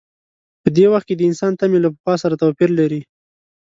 په دې وخت کې د انسان تمې له پخوا سره توپیر لري.